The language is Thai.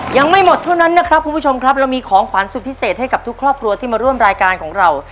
ยังไม่หมดเท่านั้นนะครับคุณผู้ชมครับเรามีของขวัญสุดพิเศษให้กับทุกครอบครัวที่มาร่วมรายการของเรา